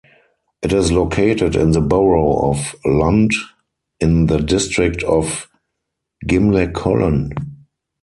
It is located in the borough of Lund in the district of Gimlekollen.